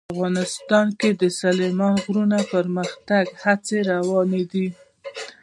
افغانستان کې د سلیمان غر د پرمختګ هڅې روانې دي.